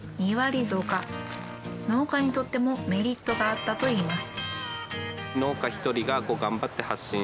農家にとってもメリットがあったといいます。